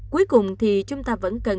cuối cùng thì chúng ta vẫn cần